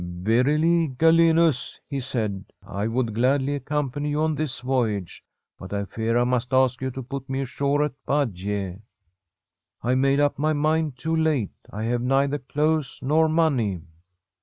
* Verily, Galenus,' he said, * I would gladly ac company you on this voyage, but I fear I must ask you to put me ashore at Bajae. I made up my mind too late. I have neither clothes nor money.'